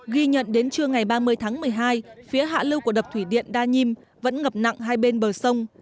ghi nhận đến trưa ngày ba mươi tháng một mươi hai phía hạ lưu của đập thủy điện đa nhiêm vẫn ngập nặng hai bên bờ sông